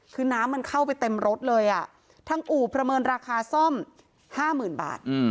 คือน้ำมันเข้าไปเต็มรถเลยอ่ะทั้งอู่ภรรมราคาซ่อมห้าหมื่นบาท